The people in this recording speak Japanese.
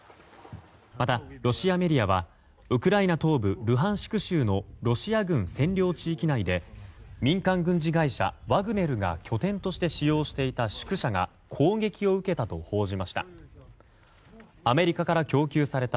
また、ロシアメディアはウクライナ東部ルハンシク州のロシア軍占領地域内で民間軍事会社ワグネルが拠点として使用していた宿舎が攻撃を受けたと報じました。